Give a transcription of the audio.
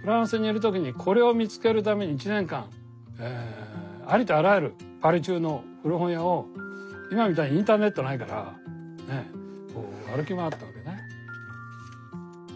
フランスにいる時にこれを見つけるために１年間ありとあらゆるパリ中の古本屋を今みたいにインターネットないからね歩き回ったわけね。